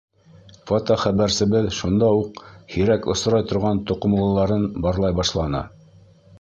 Фотохәбәрсебеҙ шунда уҡ һирәк осрай торған тоҡомлоларын барлай башланы.